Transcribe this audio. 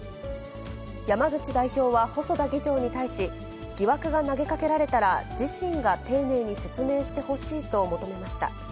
山口代表は細田議長に対し、疑惑が投げかけられたら自身が丁寧に説明してほしいと求めました。